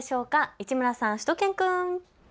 市村さん、しゅと犬くん。